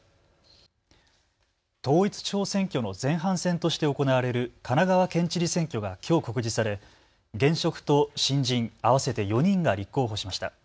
統一地方選挙の前半戦として行われる神奈川県知事選挙がきょう告示され現職と新人合わせて４人が立候補しました。